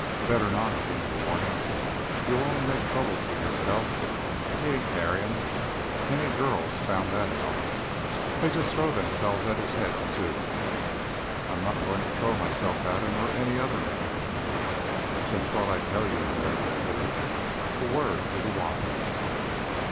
"Better not," came the warning. "You'll only make trouble for yourself. He ain't marryin'. Many a girl's found that out. They just throw themselves at his head, too." "I'm not going to throw myself at him, or any other man." "Just thought I'd tell you," Mary concluded. "A word to the wise."